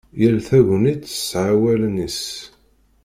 Yal tagnit tesɛa awalen-is.